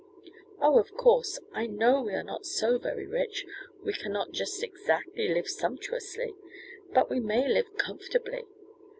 "Oh, of course, I know we are not so very rich, we cannot just exactly live sumptuously, but we may live comfortably.